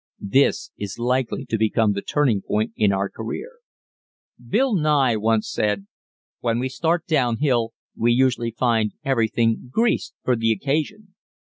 This is likely to become the turning point in our career. Bill Nye once said "When we start down hill we usually find everything greased for the occasion."